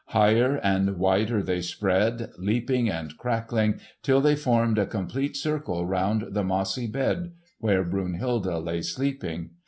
Higher and wider they spread, leaping and crackling till they formed a complete circle round the mossy bed where Brunhilde lay sleeping.